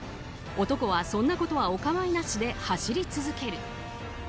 男は、そんなことはお構いなしで走り続ける。